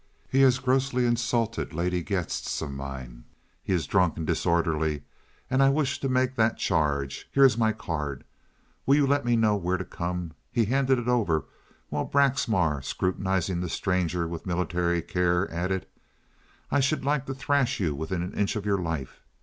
"He has grossly insulted lady guests of mine. He is drunk and disorderly, and I wish to make that charge. Here is my card. Will you let me know where to come?" He handed it over, while Braxmar, scrutinizing the stranger with military care, added: "I should like to thrash you within an inch of your life.